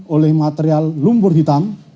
oleh material lumpur hitam